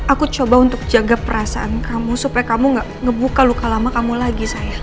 aku coba untuk jaga perasaan kamu supaya kamu gak ngebuka luka lama kamu lagi saya